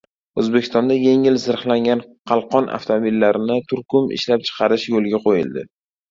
O‘zbekistonda yengil zirhlangan Qalqon avtomobillarini turkum ishlab chiqarish yo‘lga qo‘yildi